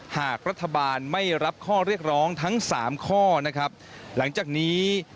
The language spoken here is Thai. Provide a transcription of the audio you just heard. หากรัฐบาลไม่รับข้อเรียกร้องทั้งสามข้อนะครับหลังจากนี้